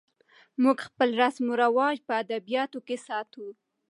موږ خپل رسم و رواج په ادبیاتو کې ساتو.